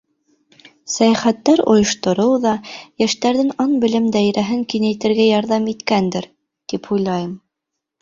Сәйәхәттәр ойоштороу ҙа йәштәрҙең аң-белем даирәһен киңәйтергә ярҙам иткәндер, тип уйлайым.